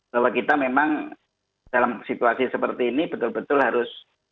bahwa kita memang dalam situasi seperti ini berpengalaman